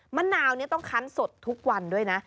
มะนาวนี้ต้องคั้นสดทุกวันด้วยนะ